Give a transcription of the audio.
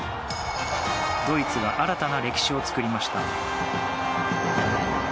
ドイツが新たな歴史を作りました。